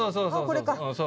これか。